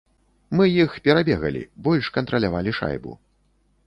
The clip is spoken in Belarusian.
Мы іх перабегалі, больш кантралявалі шайбу.